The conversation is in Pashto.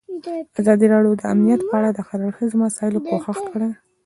ازادي راډیو د امنیت په اړه د هر اړخیزو مسایلو پوښښ کړی.